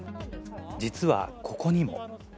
実はここにも。